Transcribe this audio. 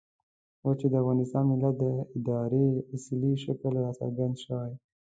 اوس چې د افغان ملت د ارادې اصلي شکل را څرګند شوی.